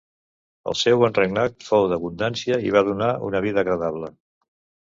El seu bon regnat fou d'abundància i va donar una vida agradable.